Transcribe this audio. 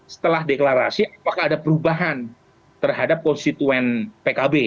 setelah deklarasi apakah ada perubahan terhadap konstituen pkb